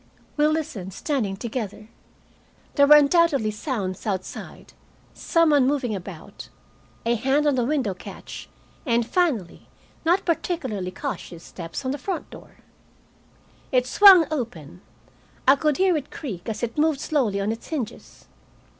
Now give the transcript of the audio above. We listened, standing together. There were undoubtedly sounds outside, some one moving about, a hand on a window catch, and finally not particularly cautious steps at the front door. It swung open. I could hear it creak as it moved slowly on its hinges.